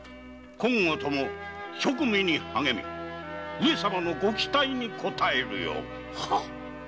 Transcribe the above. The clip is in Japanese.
今後とも職務に励み上様のご期待にこたえよ。はッ。